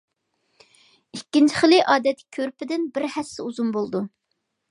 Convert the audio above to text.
ئىككىنچى خىلى ئادەتتىكى كۆرپىدىن بىر ھەسسە ئۇزۇن بولىدۇ.